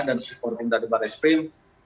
dan superpindak depan spim